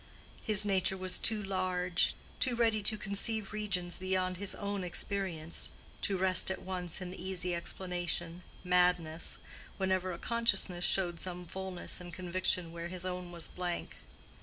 His nature was too large, too ready to conceive regions beyond his own experience, to rest at once in the easy explanation, "madness," whenever a consciousness showed some fullness and conviction where his own was blank.